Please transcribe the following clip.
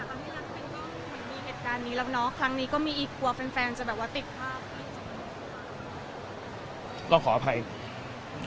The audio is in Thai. ครั้งนี้ก็มีอีกกลัวแฟนจะแบบว่าติดภาพ